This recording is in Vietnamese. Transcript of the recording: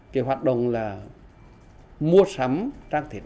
kỳ hoạt động là mua sắm trang thịt